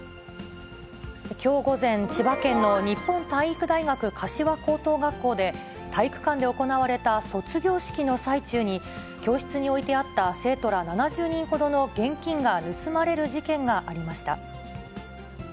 きょう午前、千葉県の日本体育大学柏高等学校で、体育館で行われた卒業式の最中に、教室に置いてあった生徒ら７０人ほどの現金が盗まれる事件がありました。